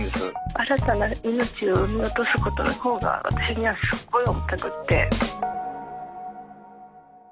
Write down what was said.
新たな命を産み落とすことの方が私にはすっごい重たくって。